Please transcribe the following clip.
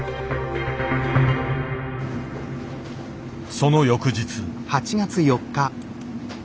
その翌日。